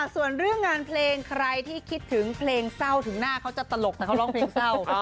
ส่วนเรื่องงานเพลงใครที่คิดถึงเพลงเศร้าถึงหน้าเขาจะตลกแต่เขาร้องเพลงเศร้า